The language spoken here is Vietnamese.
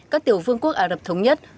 các tiểu vương quốc ả rập thống nhất